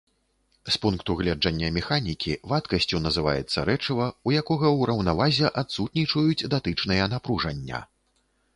З пункту гледжання механікі, вадкасцю называецца рэчыва, у якога ў раўнавазе адсутнічаюць датычныя напружання.